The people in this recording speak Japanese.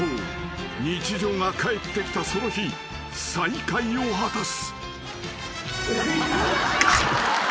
日常が返ってきたその日再会を果たす］